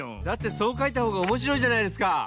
だってそうかいたほうがおもしろいじゃないですか。